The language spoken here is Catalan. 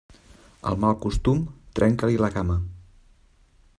Al mal costum, trenca-li la cama.